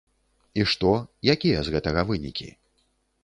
І што, якія з гэтага вынікі?